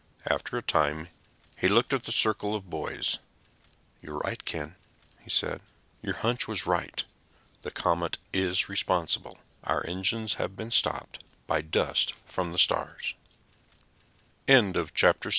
After a time he looked up at the circle of boys. "You were right, Ken," he said. "Your hunch was right. The comet is responsible. Our engines have been stopped by dust from the stars." Chapter 8.